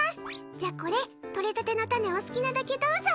じゃこれ、とれたての種お好きなだけどうぞ。